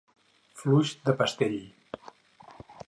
Fluix de pestell.